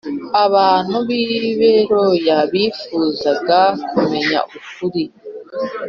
Abantu b i Beroya bifuzaga kumenya ukuri .